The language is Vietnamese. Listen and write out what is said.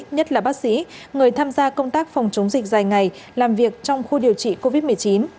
nhất là bác sĩ người tham gia công tác phòng chống dịch dài ngày làm việc trong khu điều trị covid một mươi chín